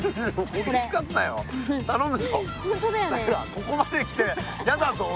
ここまで来てやだぞ俺。